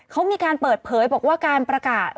เขามีการเปิดเผยบอกว่าการประกาศ